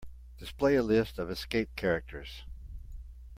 Display a list of escape characters.